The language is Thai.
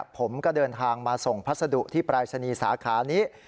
ผมก็เดินทางมาส่งพัสดุที่ปรายศนีย์สาขานี้